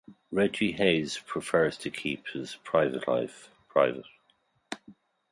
Reggie Hayes prefers to keep his private life private.